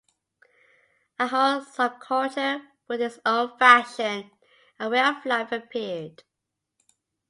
A whole subculture with its own fashion and way of life appeared.